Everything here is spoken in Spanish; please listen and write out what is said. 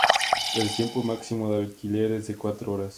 El tiempo máximo de alquiler es de cuatro horas.